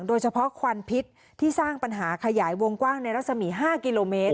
ควันพิษที่สร้างปัญหาขยายวงกว้างในรัศมี๕กิโลเมตร